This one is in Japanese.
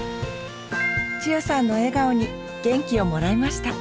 千代さんの笑顔に元気をもらいました。